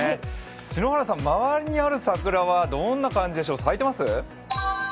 篠原さん、周りにある桜はどんな感じでしょう、咲いてます？